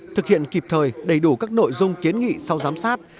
thực hiện kịp thời đầy đủ các nội dung kiến nghị sau giám sát